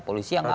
polisi yang apa